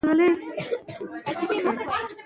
که موږ جشن ولمانځو نو د ازادۍ حس پياوړی کيږي.